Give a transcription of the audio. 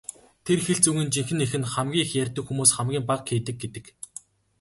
Тэр хэлц үгийн жинхэнэ эх нь "хамгийн их ярьдаг хүмүүс хамгийн бага хийдэг" гэдэг.